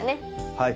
はい。